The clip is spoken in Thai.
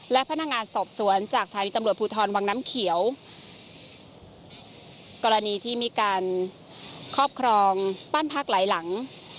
และพนักงานสอบสวนจากสถานีตำรวจภูทรวังน้ำเขียวกรณีที่มีการครอบครองบ้านพักหลายหลัง